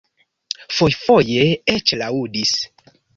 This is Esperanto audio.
Fojfoje eĉ laŭdis.